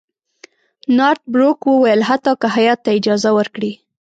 نارت بروک وویل حتی که هیات ته اجازه ورکړي.